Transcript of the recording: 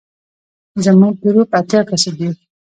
زموږ ګروپ اتیا کسه دی.